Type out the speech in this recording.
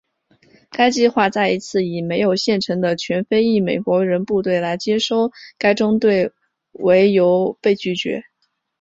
该计划再一次以没有现成的全非裔美国人部队来接收该中队为由被拒绝。